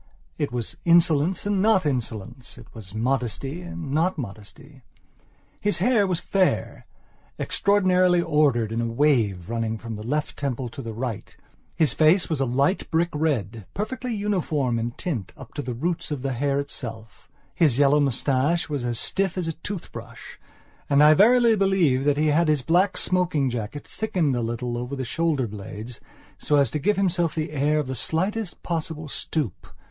It was insolence and not insolence; it was modesty and not modesty. His hair was fair, extraordinarily ordered in a wave, running from the left temple to the right; his face was a light brick red, perfectly uniform in tint up to the roots of the hair itself; his yellow moustache was as stiff as a toothbrush and I verily believe that he had his black smoking jacket thickened a little over the shoulder blades so as to give himself the air of the slightest possible stoop.